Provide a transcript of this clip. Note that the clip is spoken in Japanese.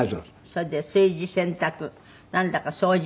それで炊事洗濯なんだか掃除